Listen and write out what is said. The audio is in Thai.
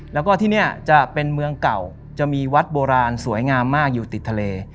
แล้วก็ที่นี่จะเป็นเมืองเก่าจะมีวัดโบราณสวยงามมากอยู่ติดทะเล